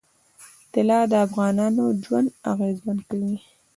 طلا د افغانانو ژوند اغېزمن کوي.